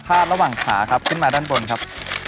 ระหว่างขาครับขึ้นมาด้านบนครับ